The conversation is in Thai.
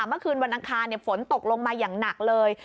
เมื่อคืนวันอังคารฝนตกลงมาอย่างหนักเลย